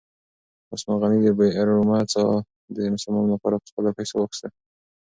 عثمان غني د بئر رومه څاه د مسلمانانو لپاره په خپلو پیسو واخیسته.